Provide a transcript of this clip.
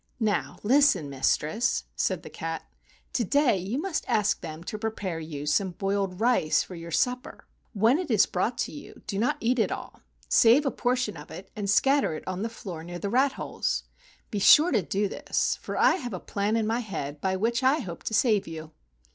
"Now listen, Mistress," said the cat. "To¬ day you must ask them to prepare you some boiled rice for your supper. When it is brought to you do not eat it all. Save a portion of it and scatter it on the floor near the rat holes. Be sure to do this, for I have a plan in my head by which I hope to save you."